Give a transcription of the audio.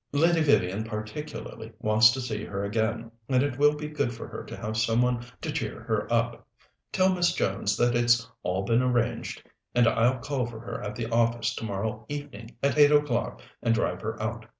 Lady Vivian particularly wants to see her again, and it will be good for her to have some one to cheer her up. Tell Miss Jones that it's all been arranged, and I'll call for her at the office tomorrow evening at eight o'clock and drive her out.